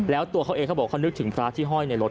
แล้วตัวเขาเองเขาบอกเขานึกถึงพระที่ห้อยในรถ